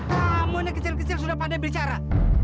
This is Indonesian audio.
kamu hanya kecil kecil sudah pandai bicara